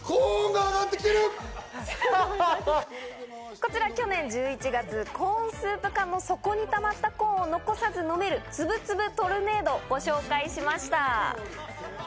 こちら去年１１月、コーンスープ缶の底にたまったコーンを残さず飲める、つぶつぶトルネードを紹介しました。